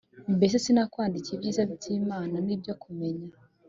mbese sinakwandikiye ibyiza by’inama n’ibyo kumenya,